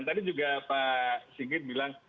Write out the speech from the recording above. tadi juga pak sigit bilang